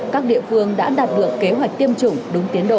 các địa phương đã đạt được kế hoạch tiêm chủng đúng tiến độ